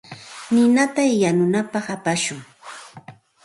Ninata yanunapaq apashun.